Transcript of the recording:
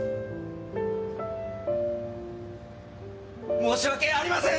申し訳ありません！